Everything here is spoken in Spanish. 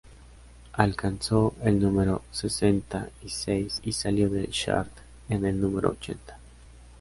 Alcanzó el número sesenta y seis y salió del chart en el número ochenta.